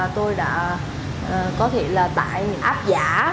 tôi đã có thể là tại app giả